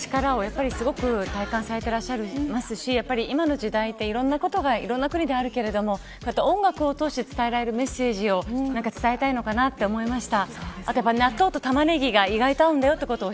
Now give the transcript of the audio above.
歌の持つ力を体感されていらっしゃいますし今の時代って、いろんなことがいろんな国であるけれどもこうやって音楽を通して伝えられるメッセージを伝えたいのかなと思いました。